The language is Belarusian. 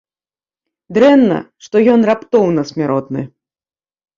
Дрэнна, што ён раптоўна смяротны!